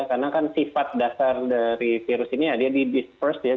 karena kan sifat dasar dari virus ini ya dia di disperse ya